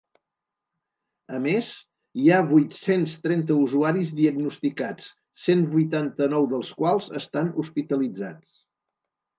A més, hi ha vuit-cents trenta usuaris diagnosticats, cent vuitanta-nou dels quals estan hospitalitzats.